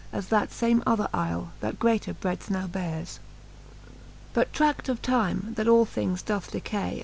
As that fame other ifle, that greater bredth now beares. VIII. But tra<^ of time, that all things doth decay.